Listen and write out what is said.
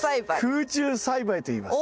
空中栽培といいます。